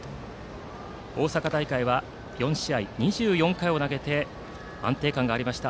大阪大会は４試合２４回を投げて安定感がありました。